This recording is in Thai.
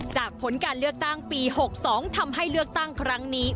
ผลการเลือกตั้งปี๖๒ทำให้เลือกตั้งครั้งนี้